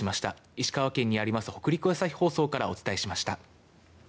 石川県の北陸朝日放送からお伝えしました。